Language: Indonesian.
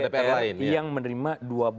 dpr yang menerima